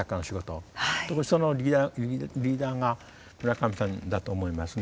特にそのリーダーが村上さんだと思いますね。